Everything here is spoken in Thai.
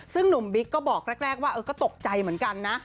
ซึ่งหนุ่มบิ๊กก็บอกแรกว่าก็ตกใจเหมือนกันนะ